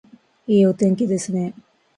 いいお天気ですね